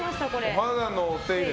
お肌の手入れ